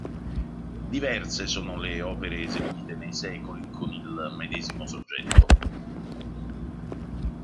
Diverse sono le opere eseguite nei secoli con il medesimo soggetto.